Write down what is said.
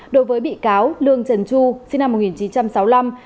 đối với bị cáo lương trần chu sinh năm một nghìn chín trăm sáu mươi năm